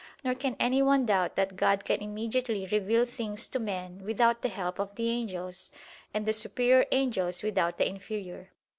Nor can anyone doubt that God can immediately reveal things to men without the help of the angels, and the superior angels without the inferior.